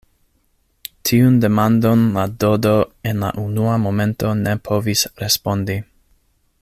Tiun demandon la Dodo en la unua momento ne povis respondi.